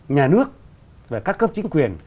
nhà nước và các cấp chính quyền